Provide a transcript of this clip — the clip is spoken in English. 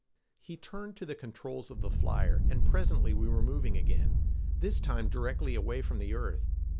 He turned to the controls of the flyer, and presently we were moving again, this time directly away from the earth.